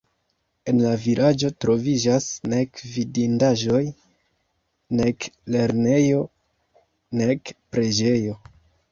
En la vilaĝo troviĝas nek vidindaĵoj, nek lernejo, nek preĝejo.